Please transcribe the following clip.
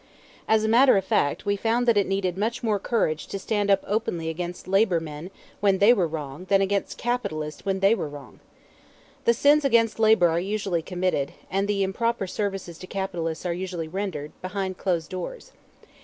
As a matter of fact, we found that it needed much more courage to stand up openly against labor men when they were wrong than against capitalists when they were wrong. The sins against labor are usually committed, and the improper services to capitalists are usually rendered, behind closed doors.